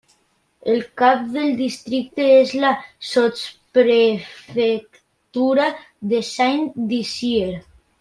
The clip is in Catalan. El cap del districte és la sotsprefectura de Saint-Dizier.